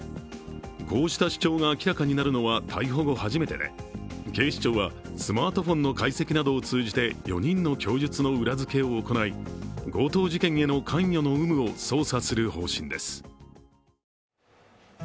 こうした主張が明らかになるのは逮捕後初めてで警視庁はスマートフォンの解析などを通じて４人の供述の裏付けを行い、強盗事件への関与の有無を捜査する方針です。